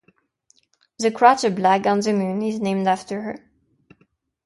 The crater Blagg on the Moon is named after her.